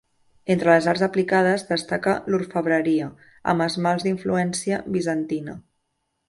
Entre les arts aplicades, destaca l'orfebreria, amb esmalts d'influència bizantina.